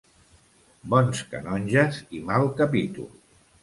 Bons canonges i mal capítol.